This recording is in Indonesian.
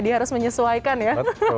dia harus menyesuaikan ya